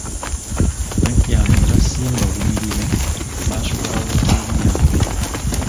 Bajjanga ne basimba olunyiriri mu maaso ga wooteri yange.